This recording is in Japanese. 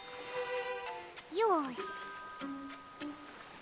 よし。